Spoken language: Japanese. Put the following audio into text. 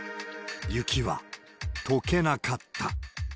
雪はとけなかった。